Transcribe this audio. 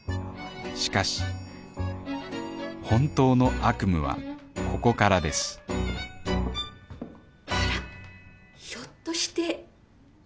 しかし本当の悪夢はここからですあらひょっとして。